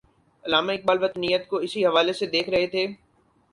علامہ اقبال وطنیت کو اسی حوالے سے دیکھ رہے تھے۔